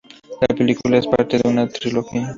La película es parte de una trilogía.